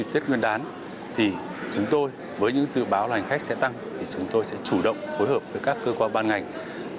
tuy nhiên với những dự báo hành khách sẽ tăng chúng tôi sẽ chủ động phối hợp với các cơ quan ban ngành